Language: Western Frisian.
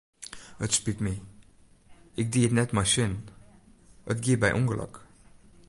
It spyt my, ik die it net mei sin, it gie by ûngelok.